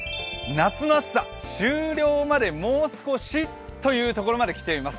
夏の暑さ終了までもう少し！？というところまできています。